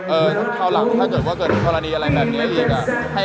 คราวหลังถ้าเกิดว่าเกิดกรณีอะไรแบบนี้อีกอ่ะ